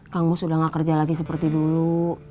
kamu sudah gak kerja lagi seperti dulu